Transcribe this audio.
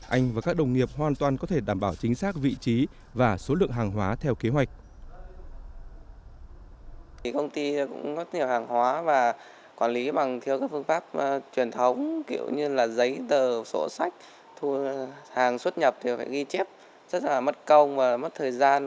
anh và các đồng nghiệp hoàn toàn có thể đảm bảo chính xác vị trí và số lượng hàng hóa theo kế hoạch